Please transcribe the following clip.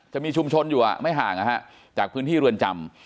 จะมีชุมชนอยู่ไม่ห่างจากพื้นที่เรือนจำ